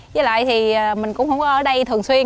với lại thì mình cũng không ở đây thường xuyên